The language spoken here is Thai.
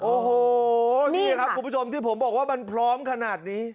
โอ้โหนี่ครับคุณผู้ชมที่ผมบอกว่ามันพร้อมขนาดนี้